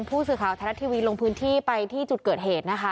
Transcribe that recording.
ผู้สื่อข่าวไทยรัฐทีวีลงพื้นที่ไปที่จุดเกิดเหตุนะคะ